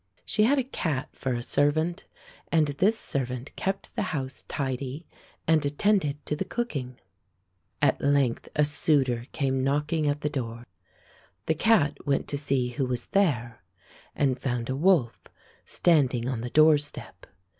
She had a cat for a servant, and this servant kept the house tidy and attended to the cooking. At length a suitor came knocking at the door. The cat went to see who was there and found a wolf standing on the doorstep.